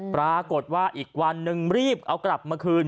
ปรากฏว่าอีกวันนึงรีบเอากลับมาคืน